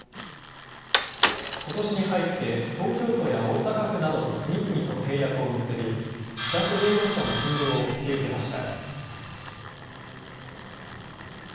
ことしに入って、東京都や大阪府などと次々と契約を結び、自宅療養者の診療を引き受けました。